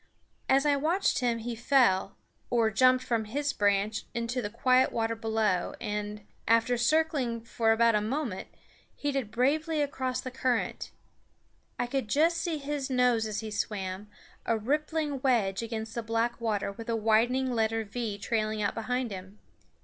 As I watched him he fell, or jumped from his branch into the quiet water below and, after circling about for a moment, headed bravely across the current. I could just see his nose as he swam, a rippling wedge against the black water with a widening letter V trailing out behind him.